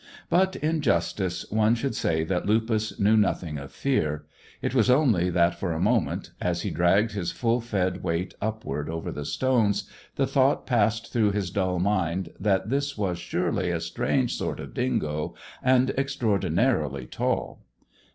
But, in justice, one should say that Lupus knew nothing of fear. It was only that for a moment, as he dragged his full fed weight upward over the stones, the thought passed through his dull mind that this was surely a strange sort of dingo and extraordinarily tall.